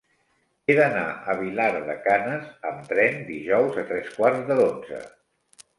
He d'anar a Vilar de Canes amb tren dijous a tres quarts de dotze.